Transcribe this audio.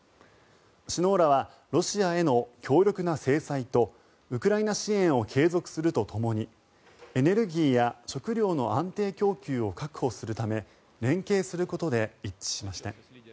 首脳らはロシアへの強力な制裁とウクライナ支援を継続するとともにエネルギーや食料の安定供給を確保するため連携することで一致しました。